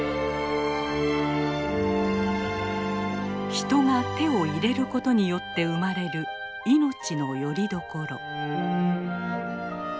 人が手を入れることによって生まれる命のよりどころ。